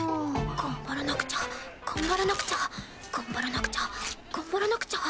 頑張らなくちゃ頑張らなくちゃ頑張らなくちゃ頑張らなくちゃ。